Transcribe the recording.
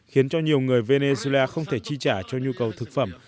khiến cho nhiều người venezuela không thể chi trả cho nhu cầu thực phẩm